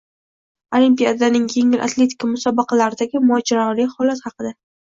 Olimpiadaning yengil atletika musobaqalaridagi mojaroli holat haqida